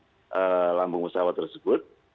di lambung pesawat tersebut